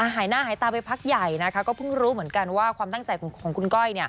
หายหน้าหายตาไปพักใหญ่นะคะก็เพิ่งรู้เหมือนกันว่าความตั้งใจของคุณก้อย